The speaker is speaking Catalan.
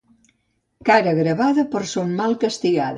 Cara gravada, per son mal castigada.